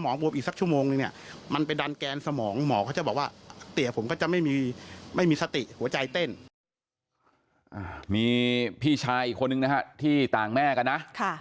มีพี่ชายอีกคนนึงนะฮะที่ต่างแม่กันนะ